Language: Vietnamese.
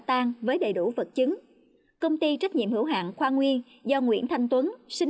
tang với đầy đủ vật chứng công ty trách nhiệm hữu hạng khoa nguyên do nguyễn thanh tuấn sinh